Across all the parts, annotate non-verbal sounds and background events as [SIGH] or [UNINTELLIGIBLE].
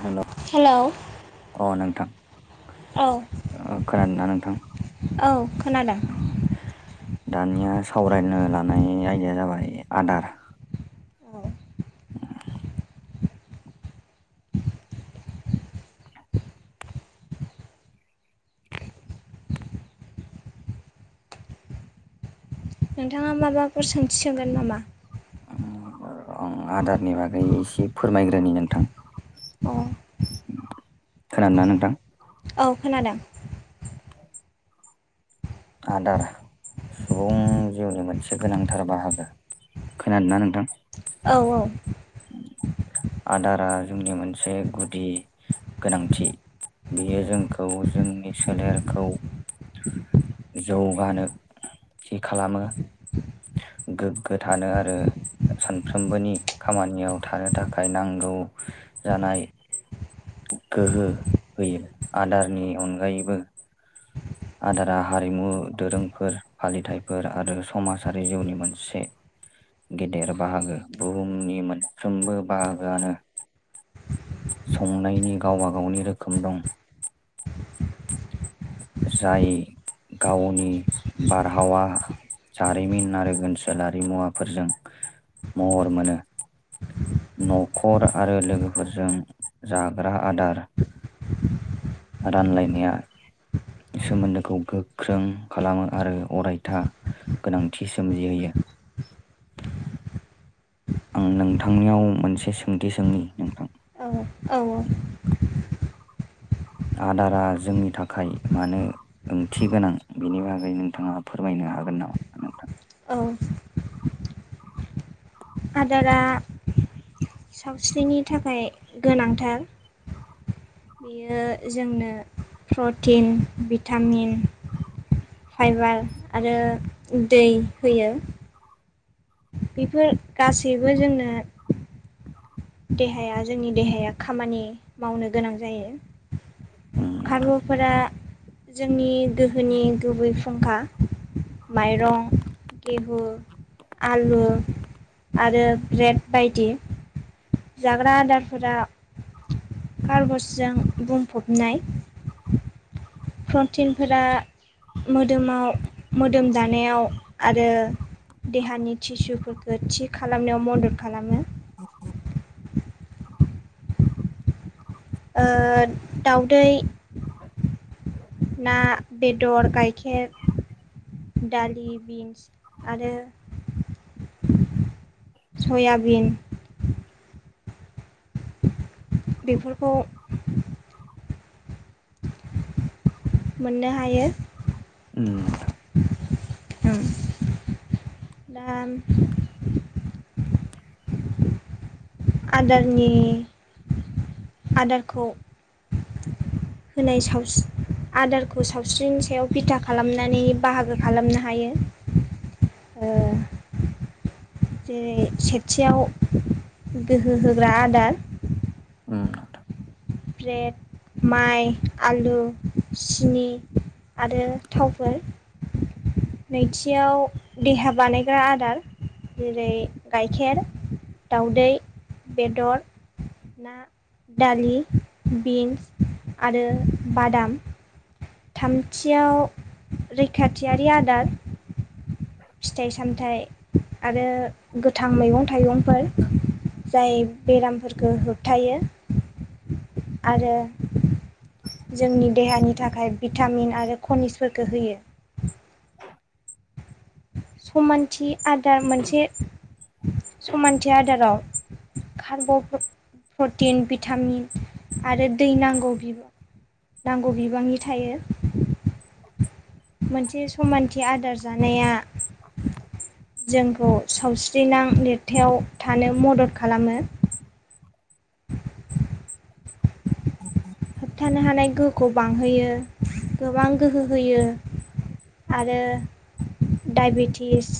हेल' hello अ नोंथां औ खोनादोंना नोंथां औ खोनादों। दानिया सावरायनो लानाय आयदाया जाबाय आदार औ नोंथाङा माबाफोर सोंथि सोंगोन नामा आदारनि बागै एसे फोरमायग्रोनि नोंथां अ खोनानो ना नोंथां? औ खोनादों [UNINTELLIGIBLE] [INAUDIBLE] आदार सुबुं जिउनि मोनसे गोनांथार बाहागो खोनादोंना नोंथां औ औ आदारा जोंनि मोनसे गुदि गोनांथि बियो जोंखौ जोंनि सोलेरखौ। जौगानो थि खालामो गोग्गो थानो आरो सानफ्रोमबोनि खामानियाव थानो थाखाय नांगौ गोहो होयो आदारनि अनगायैबो आदारा हारिमु दोरोंफोर फालिथायाइफोर आरो समाजारि जिउनि मोनसे गेदेर बाहागो बुहुमनि मोनफ्रोमबो बाहागोआनो संनायनि गावबागावनि रोखोम दं जाय गावनि बारहावा जारिमिन आरो ओनसोलारि मुवाफोरजों महर मोनो न'खर आरो लोगोफोरजों जाग्रा आदार रानलाइनायया सोमोन्दोखौ गोख्रों खालामो आरो अरायथा गोनांथि सोमजिहोयो [INAUDIBLE] [UNINTELLIGIBLE] [INAUDIBLE] [UNINTELLIGIBLE] आं नोंथांनियाव मोनसे सोंथि सोंनि नोंथां औ औ औ आदारा जोंनि थाखाय मानो ओंथि गोनां बेनि बागै नोंथाङा फोरमायनो हागोन नामा नोंथां औ आदारा सावस्रिनि थाखाय गोनांथार। बेयो जोंनो प्रटिन, भिटामिन । फाइबार आरो दै होयो। बेफोर गासैबो जोंनो। देहाया जोंनि देहाया खामानि मावनो गोनां जायो। नोंथां खारमुफोरा। जोंनि दोहोनि गुबै फुंखा। माइरं, गेहु, आलु । आरो ब्रेड बायदि जाग्रा आदारफोरा। कारबजजों बुंफबनाय। प्रटिनफोरा। मोदोमाव मोदोम दानायाव आरो। देहानि टिसुफोरखौ थि खालामनायाव मदद खालामो। [INAUDIBLE] ओ दाउदै । ना, बेदर, गायखेर । दालि, बिन्स आरो। सयाबिन। बेफोरखौ। मोननो हायो। उम नोंथां। ओम दान। आदारनि आदारखौ। होनाय सावस। आदारखौ सावस्रिनि सायाव बिथा खालामनानै बाहागो खालामनो हायो। ओ। जेरै-सेथियाव गोहो होग्रा आदार । उम नोंथां। ब्रेड, माइ, आलु, सिनि। आरो थावफोर। नैथियाव देहा बानायग्रा आदार। जेरै गाइखेर, दावदै, बेदर। ना, दालि, बिन आरो बादाम। थामथियाव रैखाथियारि आदार। फिथाइ-सामथाइ आरो गोथां मैगं-थाइगंफोर । जाय बेरामफोरखौ होबथायो आरो। जोंनि देहानि थाखाय भिटामिन आरो खनिसफोरखो होयो। समानथि आदार मोनसे समानथि आदाराव । खारब'फो। प्रटिन, भिटामिन आरो दै नांगौ बिबां। नांगौ बिबांनि थायो। मोनसे समानथि आदार जानाया। जोंखौ सावस्रिनां लिरथाइयाव थानो मदद खालामो। होबथानो हानाय गोहोखौ बांहोयो गोबां गोहो होयो । आरो डायबेटिस।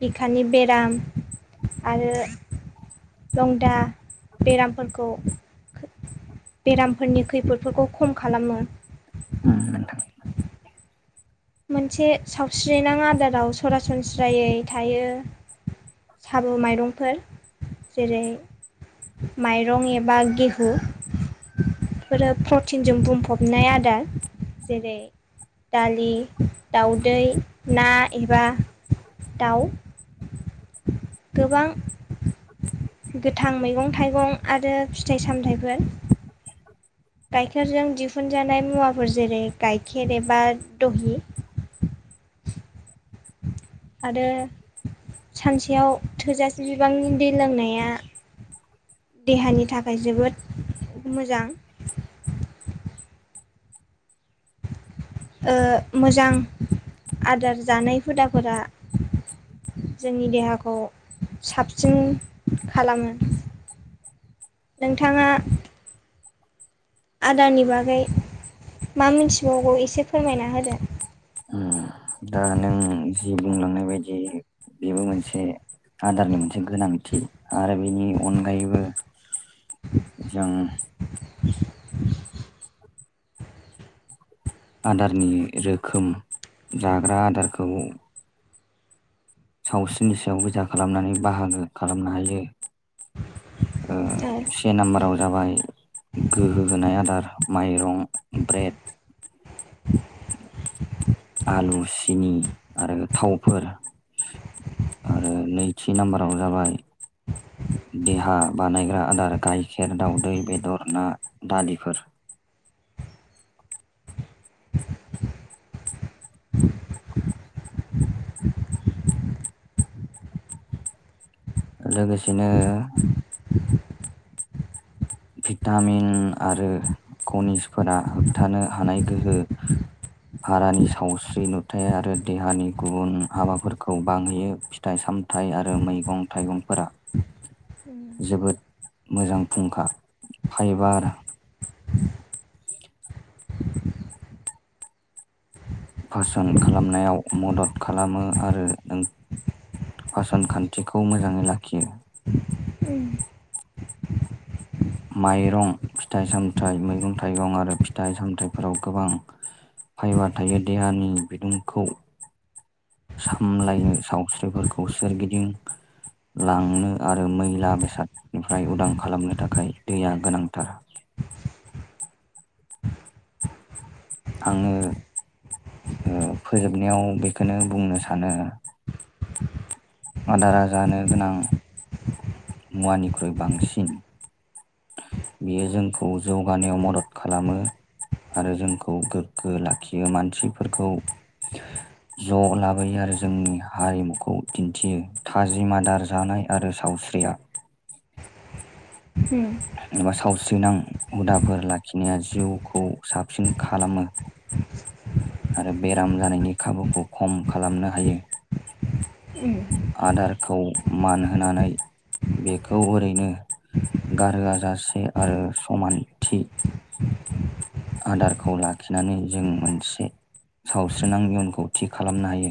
बिखानि बेराम आरो। लंदा बेरामफोरखौ। बेरामफोरनि खैफोदफोरखौ खम खालामो। उम नोंथां मोनसे सावस्रिनां आदाराव सरासनस्रायै थायो। साबु माइरंफोर जेरै - माइरं एबा गेहु। फोरो प्रटिनजों बुंफबनाय आदार जेरै दालि दाउदै ना एबा दाउ गोबां गोथां मैगं थाइगं आरो फिथाइ सामथाइफोर गायखेरजों दिहुनजानाय मुवाफोर जेरै गाइखेर एबा दहि [INAUDIBLE] आरो सानसेयाव थोजासे बिबांनि दै लोंनाया देहानि थाखाय जोबोद मोजां । [INAUDIBLE] ओ मोजां आदार जानाय हुदाफोरा जोंनि देहाखौ साबसिन खालामो। नोंथाङा आदारनि बागै मा मिथिबावगौ एसे फोरमायना होदो? उम दा नों जि बुंलांनाय बायदि बेबो मोनसे आदारनि मोनसे गोनांथि आरो बेनि अनगायैबो जों आदारनि रोखोम जाग्रा आदारखौ सावस्रिनि सायाव बिथा खालामनानै बाहागो खालामनो हायो। ओ औ से नाम्बाराव जाबाय गोहो होनाय आदार माइरं, ब्रेड आलु, सिनि आरो थावफोर आरो नैथि नाम्बाराव जाबाय देहा बानायग्रा आदार गाइखेर, दाउदै, बेदर, ना, दालिफोर [INAUDIBLE] लोगोसेनो भिटामिन आरो कनिसफोरा होबथानो हानाय गोहो भारानि सावस्रि नुथाय आरो देहानि गुबुन हाबाफोरखौ बांहोयो फिथाइ सामथाय आरो मैगं थाइगंफोरा उम्म जोबोद मोजां फुंखा फायोबा आरो पारसन खालामनायाव मदद खालामो आरो नों पासन खान्थिखौ मोजाङै लाखियो । उम माइरं, फिथाइ सामथाइ मैगं थाइगं आरो फिथाइ सामथायाइफोराव गोबां फायबार थायो देहानि बिदुंखौ । सामलायो सावस्रिफोरखौ सोरगिदिं। लांनो आरो मैला बेसादनिफ्राय उदां खालामनो थाखाय दैया गोनांथार। [INAUDIBLE] आङो। फोजोबनायाव बेखौनो बुंनो सानो आदारा जानो गोनां मुवानिख्रुइ बांसिन बियो जोंखौ जौगानायाव मदद खालामो । आरो जोंखौ गोग्गो लाखियो मानसिफोरखौ । ज' लाबोयो आरो जोंनि हारिमुखौ दिन्थियो थाजिम आदार जानाय आरो सावस सैया। सावस्रि नां। हुदाफोर लाखिनाया जिउखौ साबसिन खालामो। आरो बेराम जानायनि खाबुखौ खम खालामनो हायो । उम आदारखौ मान होनानै बेखौ ओरैनो गारहोआ जाासे आरो समानथि आदारखौ लाखिनानै जों मोनसे सावस्रो नांगोन खौथि खालामनो हायो।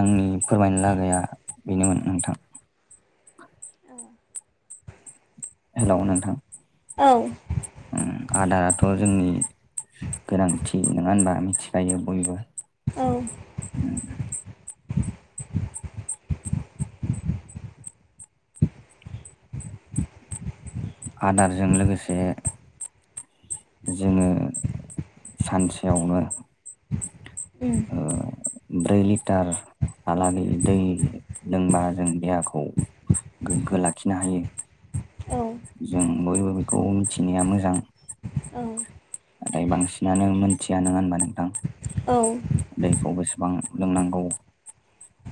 आंनि फोरमायनो लागाया बेनोमोन नोंथां । [INAUDIBLE] हेलौ नोंथां? औ उम आदाराथ' जोंनि गोनांथि नङा होनबा मिथिखायो बयबो। औ उम आदारजों लोगोसे जोङो सानसेयावनो उम ओ ब्रै लिटार आलागै दै दंबा जों देहाखौ गोग्गो लाखिनो हायो । औ जों बयबो बेखौ मिथिनाया मोजां। नाथाय बांसिनानो मोनथिया नङा होनबा नोंथां। दैखौ बेसेबां लोंनांगौ।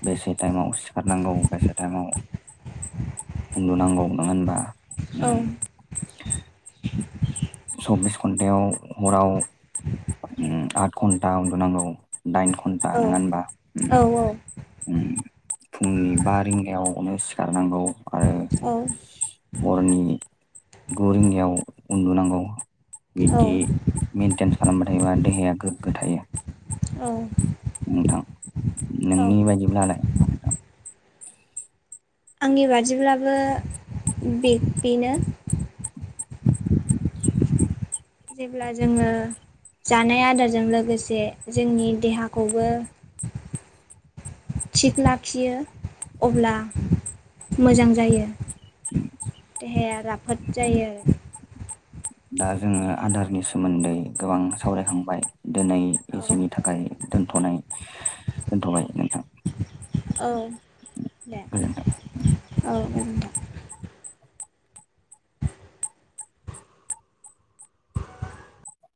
बेसे टाइमाव सिखारनांगौ बेसे टाइमाव उन्दु नांगौ नङा होनबा । औ सब्बिस घन्टायाव हराव आठ घन्टा उन्दुनांगौ। दाइन घन्टा औ नङा होनबा उम औ उम । फुंनि बा रिंगायावनो सिखारनांगौ आरो औ हरनि गु रिंगायाव उन्दुनांगौ औ मेेनटेन खालामबाय थायोबा देहाया गोग्गो थायो। औ नोंथां औ नोंनि बायदिब्लालाय? आंनि बादिब्लाबो बे बेनो । जेब्ला जोङो जानाय आदारजों लोगोसे जोंनि देहाखौबो थिग लाखियो अब्ला मोजां जायो देहाया राफोद जायो । [UNINTELLIGIBLE] दा जोङो आदारनि सोमोन्दै गोबां सावरायखांबाय दिनै आरो एसेनि थाखाय दोन थनाय दोनथबाय नोंथां। औ दे गोजोन औ जागोन नोंथां ।